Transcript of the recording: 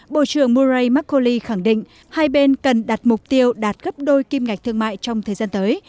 bộ trưởng murray macaulay khẳng định hai bên cần đạt mục tiêu đạt gấp đôi kim ngạch thương mại trong thời gian tới